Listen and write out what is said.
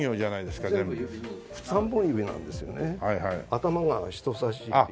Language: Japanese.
頭が人さし指で。